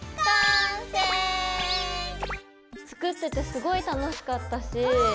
作っててすごい楽しかったし